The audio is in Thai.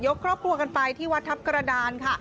ครอบครัวกันไปที่วัดทัพกระดานค่ะ